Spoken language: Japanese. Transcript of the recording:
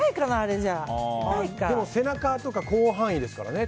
でも、背中とか広範囲ですからね。